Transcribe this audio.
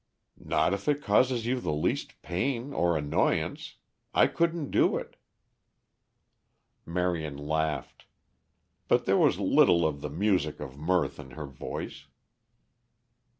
"Not if it causes you the least pain or annoyance. I couldn't do it." Marion laughed. But there was little of the music of mirth in her voice.